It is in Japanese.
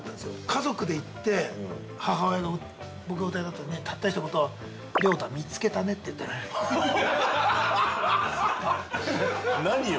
家族で行って母親が、僕が歌い終わったらねたった、ひと言亮太、見つけたねって言ったのよ。